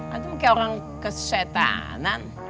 antum kayak orang kesetanan